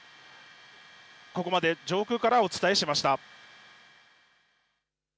ここまで上空からお伝えしました。